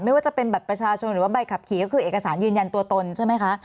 ไม่ว่าจะเป็นบัตรประชาชนหรือว่าใบขับขี่ก็คือเอกสารยืนยันตัวตนใช่ไหมคะ